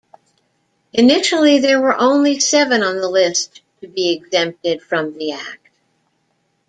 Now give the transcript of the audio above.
Initially there were only seven on the list to be exempted from the act.